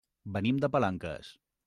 Venim de Palanques.